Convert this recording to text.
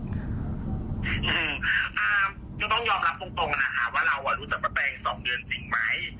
ก็ต้องยอมรับตรงนะคะว่าเราอ่ะรู้จักป้าแตง๒เดือนจริงไหม